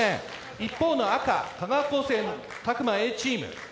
一方の赤香川高専詫間Ａチーム。